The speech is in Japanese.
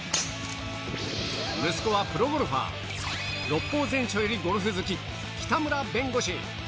息子はプロゴルファー、六法全書よりゴルフ好き、北村弁護士。